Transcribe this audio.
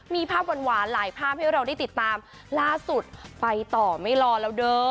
มีภาพหวานหลายภาพให้เราได้ติดตามล่าสุดไปต่อไม่รอแล้วเด้อ